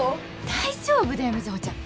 大丈夫だよ瑞穗ちゃん。